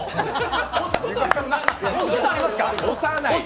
押すことはありますか？